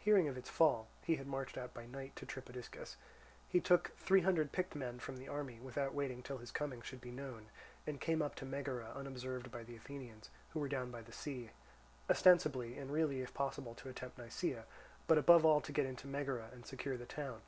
Hearing of its fall (he had marched out by night to Tripodiscus), he took three hundred picked men from the army, without waiting till his coming should be known, and came up to Megara unobserved by the Athenians, who were down by the sea, ostensibly, and really if possible, to attempt Nisaea, but above all to get into Megara and secure the town.